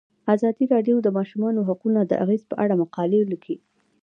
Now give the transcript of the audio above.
ازادي راډیو د د ماشومانو حقونه د اغیزو په اړه مقالو لیکلي.